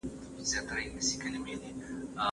زندانونه هم د فزيکي زور استازيتوب کوي.